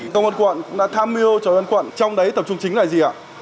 công an quận cũng đã tham mưu cho an quận trong đấy tập trung chính là gì ạ